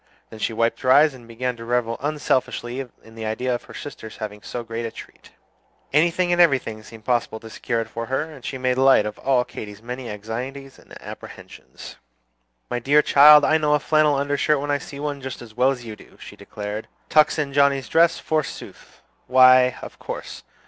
Then she wiped her eyes, and began to revel unselfishly in the idea of her sister's having so great a treat. Anything and everything seemed possible to secure it for her; and she made light of all Katy's many anxieties and apprehensions. "My dear child, I know a flannel undershirt when I see one, just as well as you do," she declared. "Tucks in Johnnie's dress, forsooth! why, of course.